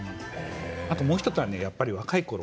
あともう１つあるのが若いころ